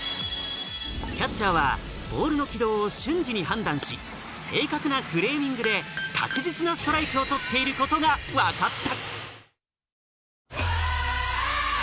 キャッチャーはボールの軌道を瞬時に判断し、正確なフレーミングで確実なストライクを取っていることが分かった。